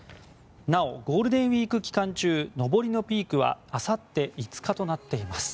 なお、ゴールデンウィーク期間中上りのピークはあさって５日となっています。